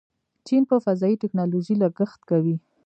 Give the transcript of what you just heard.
چین په فضایي ټیکنالوژۍ لګښت کوي.